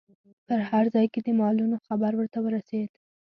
په هر ځای کې د مالونو خبر ورته ورسید.